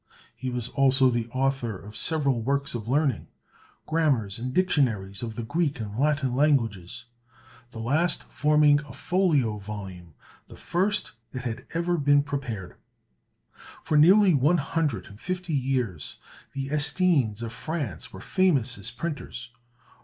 He was also the author of several works of learning, grammars and dictionaries of the Greek and Latin languages, the last forming a folio volume, the first that had ever been prepared. For nearly one hundred and fifty years the Estiennes of France were famous as printers.